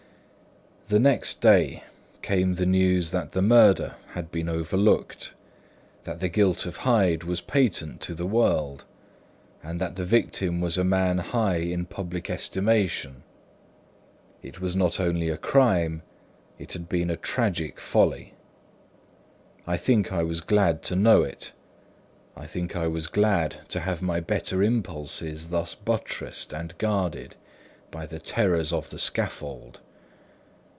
The next day, came the news that the murder had been overlooked, that the guilt of Hyde was patent to the world, and that the victim was a man high in public estimation. It was not only a crime, it had been a tragic folly. I think I was glad to know it; I think I was glad to have my better impulses thus buttressed and guarded by the terrors of the scaffold.